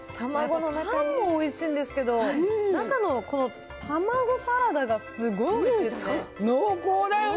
パンもおいしいんですけど、中のタマゴサラダがすごいおいしいですね。